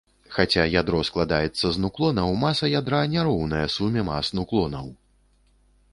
Хаця ядро складаецца з нуклонаў, маса ядра не роўная суме мас нуклонаў.